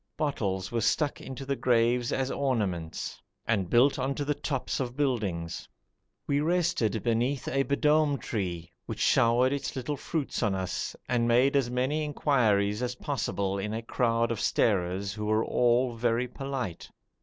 Bottles were stuck into the graves as ornaments, and built on to the tops of buildings. We rested beneath a b'dom tree, which showered its little fruits on us, and made as many inquiries as possible in a crowd of starers who were all very polite.